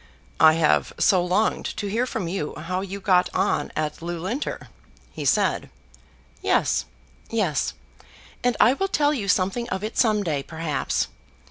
"I have so longed to hear from you how you got on at Loughlinter," he said. "Yes, yes; and I will tell you something of it some day, perhaps.